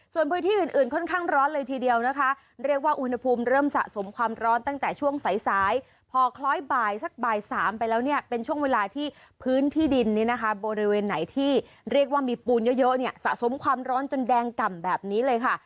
ส่วนพื้นที่อื่นค่อนข้างร้อนเลยทีเดียวนะคะเรียกว่าอุณหภูมิเริ่มสะสมความร้อนตั้งแต่ช่วงสายพอคล้อยบ่ายสักบ่ายสามไปแล้วเนี่ยเป็นช่วงเวลาที่พื้นที่ดินนี้นะคะบริเวณไหนที่เรียกว่ามีปูนเยอะเนี่ยสะสมความร้อนจนแดงก่ำแบบนี้เลยค่ะ